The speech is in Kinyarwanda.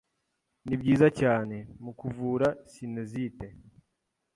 ni byiza cyane, mu kuvura sinusite,